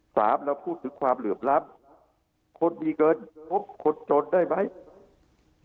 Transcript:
เราพูดถึงความเหลื่อมล้ำคนดีเกินพบคนจนได้ไหม